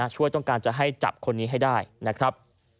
ช่วยต้องการจะให้จับคนนี้ให้ได้นะครับ